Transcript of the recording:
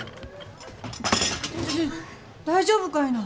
大丈夫かいな。